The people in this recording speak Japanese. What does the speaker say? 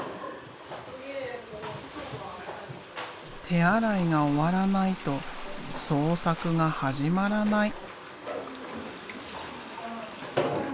手洗いが終わらないと創作が始まらない。